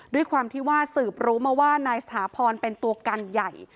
ด้วยความที่ว่าสืบรู้มาว่านายสถาพรเป็นตัวกันใหญ่